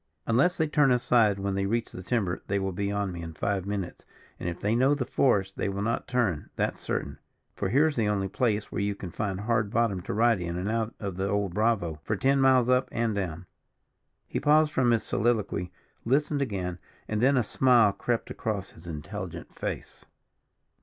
"Unless they turn aside when they reach the timber, they will be on me in five minutes; and if they know the forest, they will not turn, that's certain; for here's the only place where you can find hard bottom to ride in and out of the old Bravo, for ten miles up and down." He paused from his soliloquy, listened again, and then a smile crept across his intelligent face.